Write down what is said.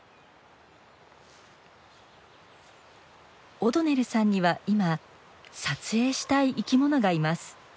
オドネルさんには今撮影したい生き物がいます。